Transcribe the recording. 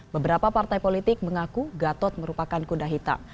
beberapa partai politik mengaku gatot merupakan kuda hitam